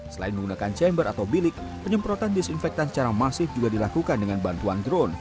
selain menggunakan chamber atau bilik penyemprotan disinfektan secara masif juga dilakukan dengan bantuan drone